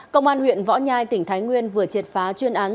công an huyện võ nhai tỉnh thái nguyên vừa triệt phá chuyên án